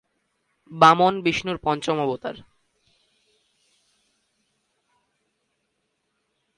বামন বিষ্ণুর পঞ্চম অবতার।